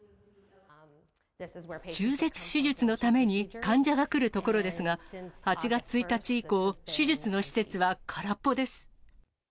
中絶手術のために患者が来るところですが、８月１日以降、手術の施設は空っぽです。